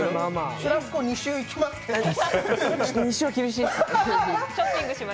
シュラスコ２周いけます？